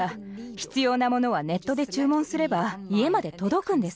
必要なものはネットで注文すれば家まで届くんです。